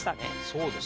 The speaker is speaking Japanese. そうですね。